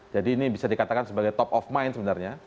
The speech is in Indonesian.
jadi ini bisa dikatakan sebagai top of mind sebenarnya